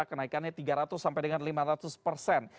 kenaikannya tiga ratus sampai dengan lima ratus persen